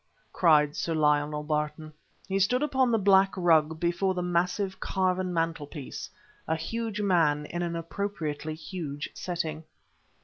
cried Sir Lionel Barton. He stood upon the black rug before the massive, carven mantelpiece, a huge man in an appropriately huge setting.